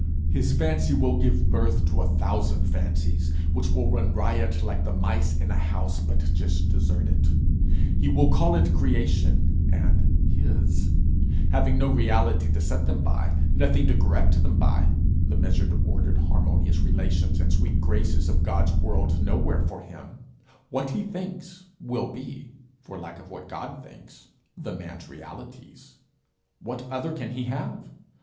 His fancy will give birth to a thousand fancies, which will run riot like the mice in a house but just deserted: he will call it creation, and his. Having no reality to set them beside, nothing to correct them by; the measured order, harmonious relations, and sweet graces of God's world nowhere for him; what he thinks, will be, for lack of what God thinks, the man's realities: what others can he have!